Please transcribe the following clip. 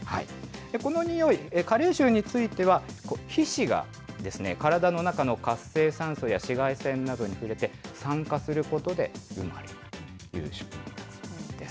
このにおい、加齢臭については、皮脂が、体の中の活性酸素や紫外線などに触れて酸化することで生まれるという仕組みです。